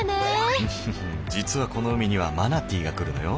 ウフフ実はこの海にはマナティーが来るのよ。